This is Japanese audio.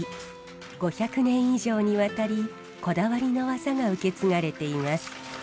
５００年以上にわたりこだわりの技が受け継がれています。